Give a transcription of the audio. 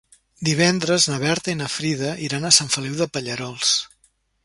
Divendres na Berta i na Frida iran a Sant Feliu de Pallerols.